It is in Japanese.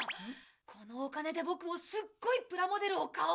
このお金でボクもすっごいプラモデルを買おう。